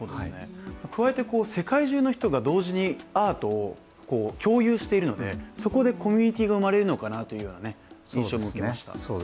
加えて世界中の人が同時にアートを共有しているのでそこでコミュニティが生まれるのかなという印象も受けました。